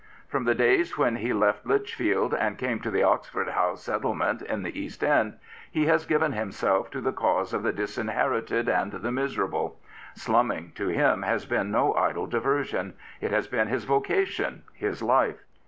From the days when he left Lichfield and came to the Oxford House Settlement in the East End, he has given himself to the cause of the disinherited and the miserable. Slumming to him has been no idle diversion. It has been his vocation, his life.